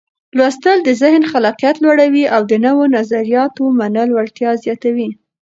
لوستل د ذهن خلاقيت لوړوي او د نوو نظریاتو منلو وړتیا زیاتوي.